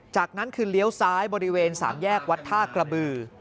จากนั้นคือเลี้ยวซ้ายบริเวณสามแยกวัดท่ากระบือ